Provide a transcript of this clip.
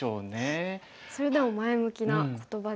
それでも前向きな言葉で。